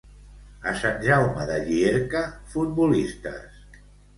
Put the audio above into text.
A Sant Jaume de Llierca, futbolistes.